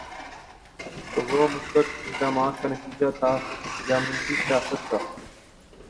تو وہ مثبت اقدامات کا نتیجہ تھا یا منفی سیاست کا؟